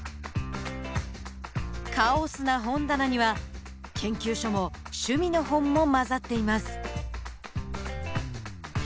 カオスな本棚には研究書も趣味の本も交ざっています。